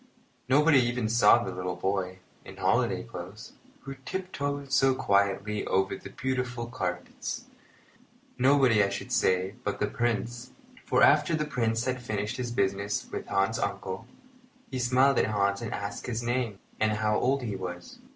Nobody even saw the little boy, in holiday clothes, who tiptoed so quietly over the beautiful carpets. Nobody, I should say, but the Prince; for after the Prince had finished his business with Hans's uncle, he smiled at Hans and asked his name and how old he was.